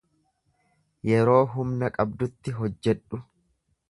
Yeroo humna qabdutti hojjedhu.